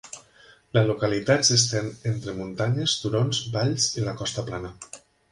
La localitat s'estén entre muntanyes, turons, valls i la costa plana.